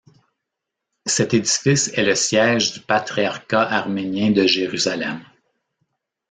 Cet édifice est le siège du patriarcat arménien de Jérusalem.